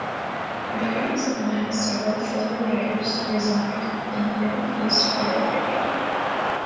Berry is among several thriller writers who reside in the northeast Florida area.